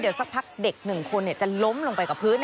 เดี๋ยวสักพักเด็ก๑คนจะล้มลงไปกับพื้น